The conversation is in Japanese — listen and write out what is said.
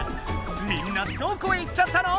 みんなどこへ行っちゃったの？